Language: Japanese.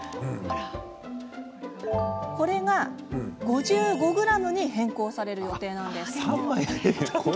これが、５５ｇに変更される予定なんです。